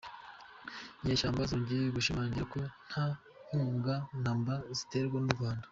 Inyeshyamba zongeye gushimangira ko nta nkunga na mba ziterwa n’u Rwanda